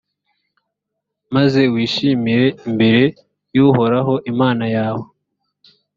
maze wishimire imbere y’uhoraho imana yawe,